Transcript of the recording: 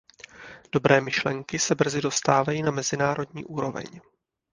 Dobré myšlenky se brzy dostávají na mezinárodní úroveň.